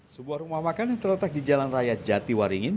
sebuah rumah makan yang terletak di jalan raya jatiwaringin